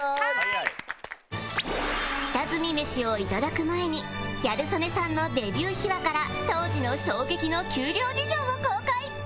下積みメシを頂く前にギャル曽根さんのデビュー秘話から当時の衝撃の給料事情を公開